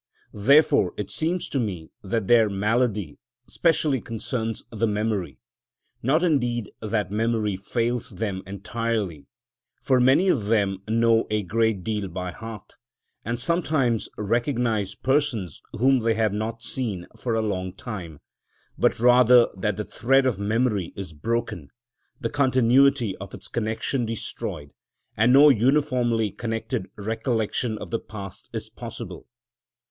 Therefore it seems to me that their malady specially concerns the memory; not indeed that memory fails them entirely, for many of them know a great deal by heart, and sometimes recognise persons whom they have not seen for a long time; but rather that the thread of memory is broken, the continuity of its connection destroyed, and no uniformly connected recollection of the past is possible.